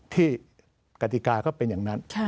กติกาก็เป็นอย่างนั้น